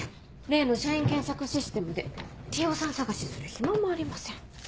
例の社員検索システムでＴ・Ｏさん探しする暇もありません。